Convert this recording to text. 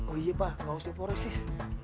oh iya pak gak usah ngeproses